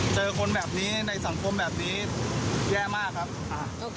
เจอคนแบบนี้ในสังคมแบบนี้แย่มากครับ